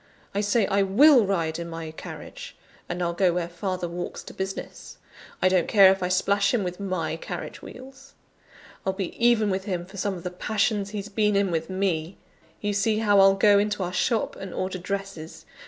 I say I will ride in my carriage: and I'll go where father walks to business: I don't care if I splash him with my carriage wheels! I'll be even with him for some of the passions he's been in with me. You see how I'll go into our shop and order dresses!